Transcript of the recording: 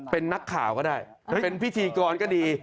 เป็นนักข่าวก็ได้เป็นพิธีกรก็ดี